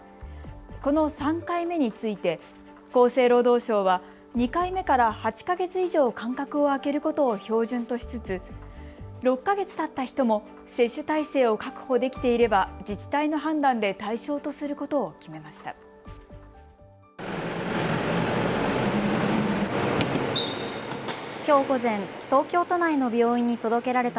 この３回目について厚生労働省は２回目から８か月以上、間隔を空けることを標準としつつ６か月たった人も接種体制を確保できていれば自治体の判断で対象とすることを決めました。